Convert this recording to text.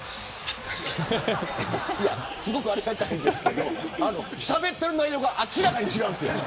すごくありがたいんですけどしゃべってる内容が明らかに違うんですよ。